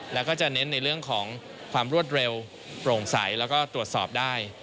แล้วก็จะเน้นในเรื่องของความรวดเร็วโปร่งใสแล้วก็ตรวจสอบได้